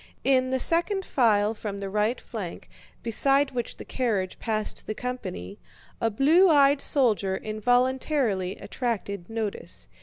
In the second file from the right flank, beside which the carriage passed the company, a blue eyed soldier involuntarily attracted notice.